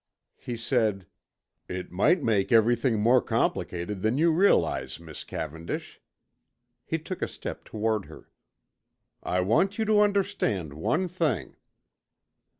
He said, "It might make everything more complicated than you realize, Miss Cavendish." He took a step toward her. "I want you to understand one thing."